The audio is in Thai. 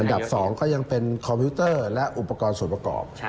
ดับ๒ก็ยังเป็นคอมพิวเตอร์และอุปกรณ์ส่วนประกอบ